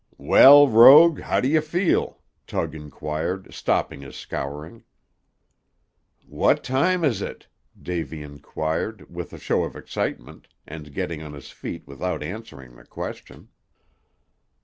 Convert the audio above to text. "Well, rogue, how do you feel?" Tug inquired, stopping his scouring. "What time is it?" Davy inquired, with a show of excitement, and getting on his feet without answering the question.